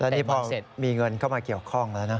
นี่พอมีเงินเข้ามาเกี่ยวข้องแล้วนะ